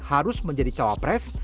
harus menjadi cawa pres